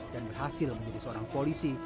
dan berhasil menjadi seorang polisi